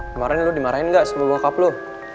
kemarin lo dimarahin gak sama bokap lo